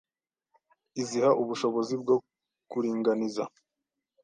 iziha ubushobozi bwo kuringaniza